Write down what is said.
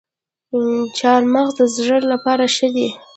چهارمغز د زړه لپاره ښه دي